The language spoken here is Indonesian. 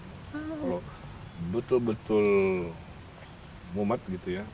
kalau betul betul mumat pasti ke ibu